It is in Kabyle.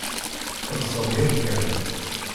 Txellṣeḍ yakan.